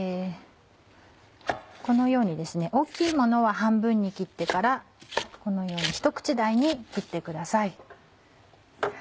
このようにですね大きいものは半分に切ってからひと口大に切ってください。